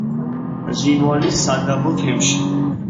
ჟინვალის სადაბო თემში.